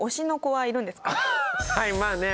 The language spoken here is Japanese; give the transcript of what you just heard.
はいまあね。